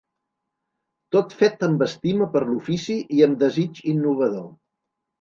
Tot fet amb estima per l’ofici i amb desig innovador.